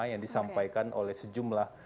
yang disampaikan oleh sejumlah